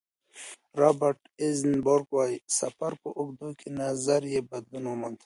رابرټ ایزنبرګ وايي، د سفر په اوږدو کې نظر یې بدلون وموند.